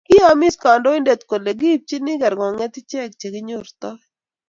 kiyomiss kaindoinatet kole kipchini kergonyet icheget che kinyortoi